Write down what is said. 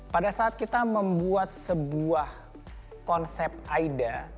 pada saat kita membuat sebuah konsep aida